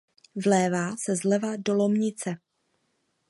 Vlévá se zleva do Lomnice.